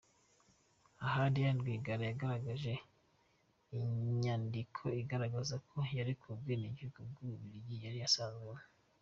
Aha Diane Rwigara yagaragaje inyandiko igaragaza ko yarekuye ubwenegihugu bw’u Bubiligi yari asanganywe